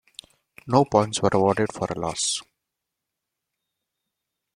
No points were awarded for a loss.